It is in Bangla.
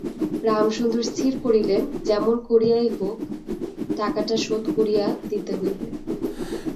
রামসুন্দর স্থির করিলেন যেমন করিয়া হউক টাকাটা শোধ করিয়া দিতে হইবে।